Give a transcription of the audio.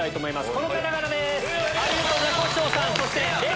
この方々です！